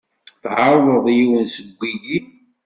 Tɛerḍeḍ yiwen seg wiyi?